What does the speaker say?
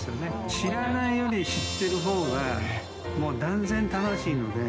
知らないより知ってるほうがもう断然楽しいので。